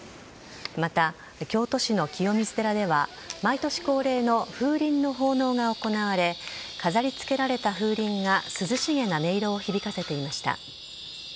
また、京都市の清水寺では、毎年恒例の風鈴の奉納が行われ、飾りつけられた風鈴が涼しげな音色を響かせていました。